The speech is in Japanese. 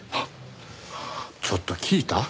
ちょっと聞いた？